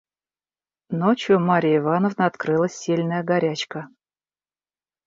Ночью у Марьи Ивановны открылась сильная горячка.